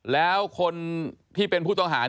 แล้วคนที่เป็นผู้ต้องหา